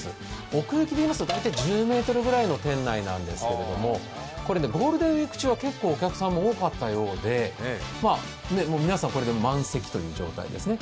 奥行きは大体１０ｍくらいの店内なんですけれどもゴールデンウイーク中は結構お客さんも多かったようで、皆さんこれで満席という状態ですね。